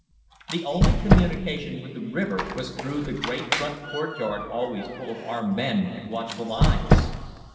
The only communication with the river was through the great front courtyard always full of armed men and watchful eyes.